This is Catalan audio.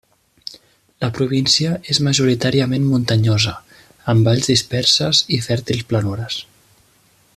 La província és majoritàriament muntanyosa, amb valls disperses i fèrtils planures.